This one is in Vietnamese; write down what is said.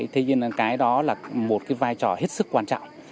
thế nhưng cái đó là một cái vai trò hết sức quan trọng